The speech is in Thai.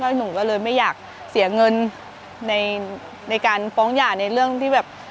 หนูก็เลยไม่อยากเสียเงินในการฟ้องหย่าในเรื่องที่แบบ